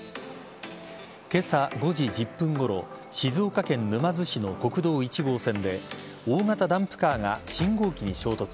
今朝５時１０分ごろ静岡県沼津市の国道１号線で大型ダンプカーが信号機に衝突。